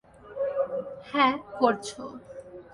হ্যাঁ, করছো।